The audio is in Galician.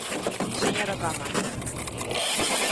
Señora Caamaño.